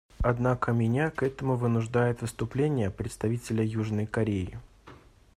Однако меня к этому вынуждает выступление представителя Южной Кореи.